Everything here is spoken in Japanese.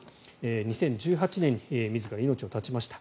２０１８年に自ら命を絶ちました。